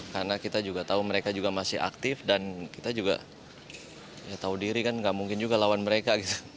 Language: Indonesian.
karena kita juga tahu mereka juga masih aktif dan kita juga tahu diri kan tidak mungkin juga lawan mereka